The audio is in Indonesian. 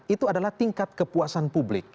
itu adalah tingkat kepuasan publik